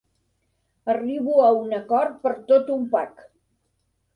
Arribo a un acord per tot un pack.